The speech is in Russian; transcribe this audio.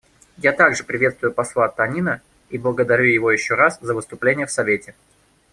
Я также приветствую посла Танина и благодарю его еще раз за выступление в Совете.